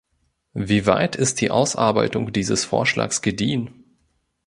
Wie weit ist die Ausarbeitung dieses Vorschlags gediehen?